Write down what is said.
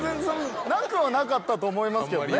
なくはなかったと思いますけどね。